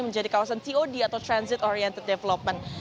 menjadi kawasan tod atau transit oriented development